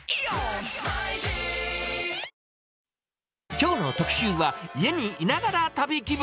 きょうの特集は、家にいながら旅気分。